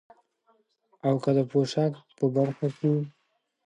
او که د پوشاک په برخه کې،